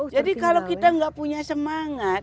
jadi kalau kita tidak punya semangat